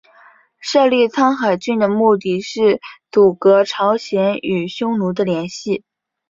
设立苍海郡的目的是阻隔朝鲜国与匈奴的联系。